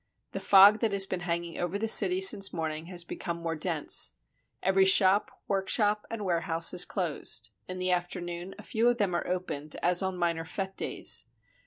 The fog that has been hanging over the city since morning has become more dense. Every shop, workshop, and warehouse is closed; in the afternoon a few of them are opened, as on minor fete days.